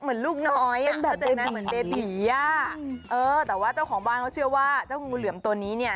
เออแต่ว่าเจ้าของบานเขาเชื่อว่าเจ้างูเหลวมตัวนี้เนี่ย